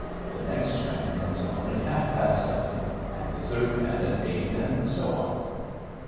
The next man comes on at half past seven, and the third man at eight, and so on.